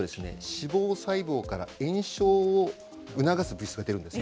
脂肪細胞から炎症を促す物質が出るんです。